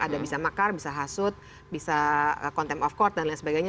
ada bisa makar bisa hasut bisa contempt of court dan lain sebagainya